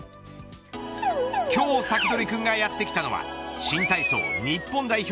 今日サキドリくんがやってきたのは新体操日本代表